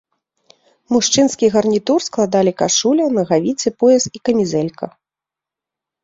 Мужчынскі гарнітур складалі кашуля, нагавіцы, пояс і камізэлька.